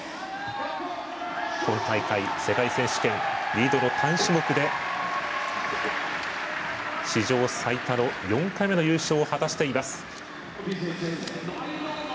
世界選手権リードの単種目で史上最多の４回目の優勝を果たしています。